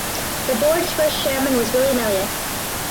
The board’s first chairman was William Elliott.